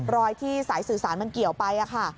รอยที่สายสื่อสารมันเกี่ยวไปค่ะ